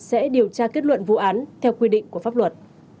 sẽ điều tra kết luận vụ án theo quy định của pháp luật